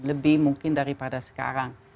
lebih mungkin daripada sekarang